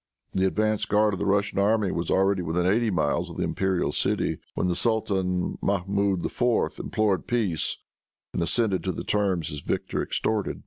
The advance guard of the Russian army was already within eighty miles of the imperial city when the sultan, Mahmoud IV., implored peace, and assented to the terms his victor extorted.